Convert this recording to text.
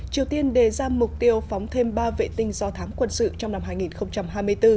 triều tiên đề ra mục tiêu phóng thêm ba vệ tinh do thám quân sự trong năm hai nghìn hai mươi bốn